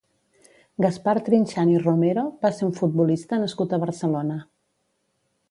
Gaspar Trinxant i Romero va ser un futbolista nascut a Barcelona.